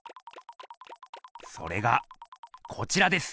それがこちらです！